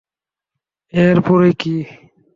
এর পরে কি?